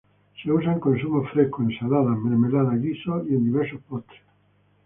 Se usa en consumo fresco, ensaladas, mermelada, guisos, y en diversos postres.